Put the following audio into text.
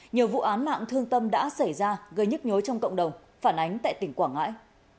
nhiều vụ án mạng thương tâm đã xảy ra gây nhức nhối trong cộng đồng phản ánh tại tỉnh quảng ngãi